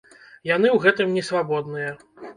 Яны ў гэтым не свабодныя.